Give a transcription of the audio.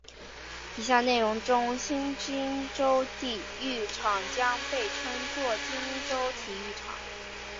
以下内容中新金州体育场将被称作金州体育场。